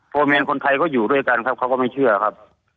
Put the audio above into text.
แมนคนไทยก็อยู่ด้วยกันครับเขาก็ไม่เชื่อครับ